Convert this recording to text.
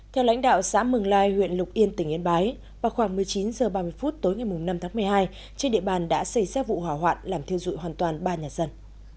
theo lãnh đạo xã mừng lai huyện lục yên tỉnh yên bái vào khoảng một mươi chín h ba mươi phút tối ngày năm tháng một mươi hai trên địa bàn đã xây xác vụ hỏa hoạn làm thiêu dụi hoàn toàn ba nhà dân